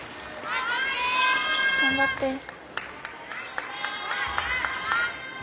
頑張って。